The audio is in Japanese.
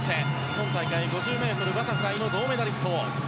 今大会、５０ｍバタフライの銅メダリスト。